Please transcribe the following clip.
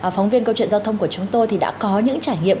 phóng viên câu chuyện giao thông của chúng tôi thì đã có những trải nghiệm